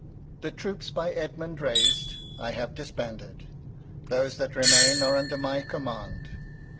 The Troops, by Edmund rais'd, I have disbanded ; Those that remain are under my Command.